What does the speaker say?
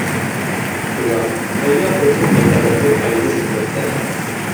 شۇنداق، تەييار ئوچۇق مەنبەلەرگە تايىنىمىز ئەلۋەتتە.